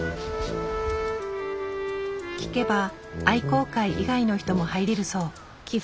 聞けば愛好会以外の人も入れるそう。